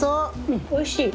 おいしい。